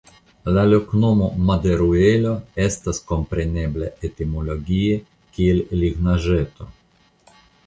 La loknomo "Maderuelo" estas komprenebla etimologie kiel Lignaĵeto.